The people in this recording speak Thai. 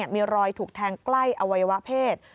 มีรอยถูกแทงใกล้อวัยวะเพศ